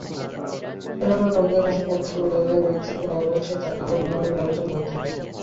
কেননা, রমজান মাসে প্রত্যেক রোজাদার ব্যক্তিকে অবশ্যই তাকওয়ার গুণাবলি অর্জন করতে হয়।